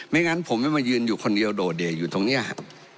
ไม่งั้นผมไม่มายืนคนเดียวโดเดอยู่ตรงนี้ฮะ